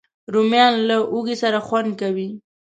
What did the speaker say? رومیان له هوږې سره خوند کوي